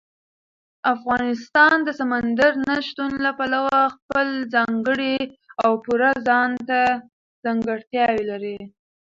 افغانستان د سمندر نه شتون له پلوه خپله ځانګړې او پوره ځانته ځانګړتیاوې لري.